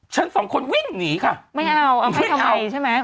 ฉันสองคนวิ่งหนีค่ะไม่เอาเอาให้เข้าใหม่ใช่ไหม